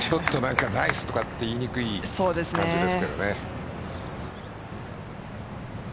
ナイスとか言いにくい感じですね。